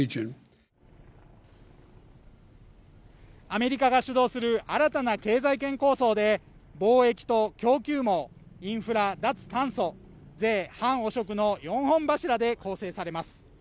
アメリカが主導する新たな経済圏構想で、貿易と供給網、インフラ・脱炭素、税・反汚職の４本柱で構成されます。